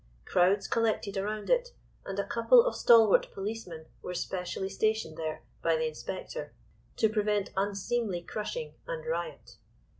Crowds collected around it, and a couple of stalwart policemen were specially stationed there by the inspector to prevent unseemly crushing and riot.